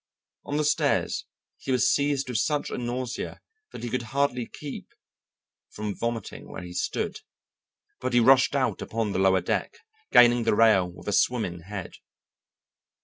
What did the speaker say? On the stairs he was seized with such a nausea that he could hardly keep from vomiting where he stood, but he rushed out upon the lower deck, gaining the rail with a swimming head.